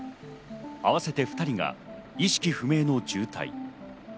合わせて２人が意識不明の重体。